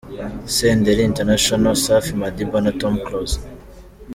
Senderi International, Safi Madiba na Tom Close.